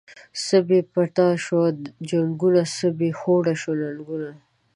څه بی پته شوو جنگونه، څه بی هوډه شوو ننگونه